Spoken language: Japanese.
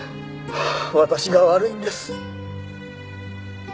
はあ私が悪いんです。